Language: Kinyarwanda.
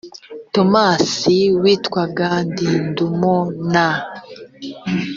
tomasi witwaga didumo na